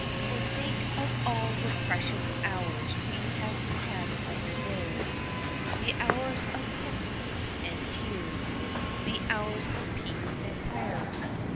For think of all the precious hours we have had over there The hours of penitence and tears, the hours of peace and prayer.